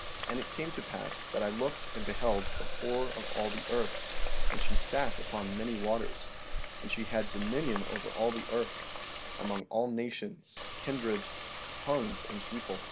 14:11 And it came to pass that I looked and beheld the whore of all the earth, and she sat upon many waters; and she had dominion over all the earth, among all nations, kindreds, tongues, and people.